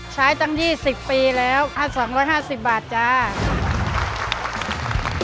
ใช้ตั้งที่๑๐ปีแล้ว๒๕๐บาทจ้า